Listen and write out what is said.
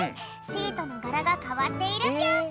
シートのがらがかわっているぴょん。